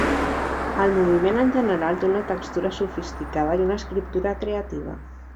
El moviment, en general, té una textura sofisticada i una escriptura creativa.